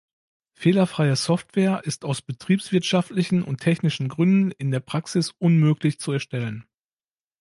Fehlerfreie Software ist aus betriebswirtschaftlichen und technischen Gründen in der Praxis unmöglich zu erstellen.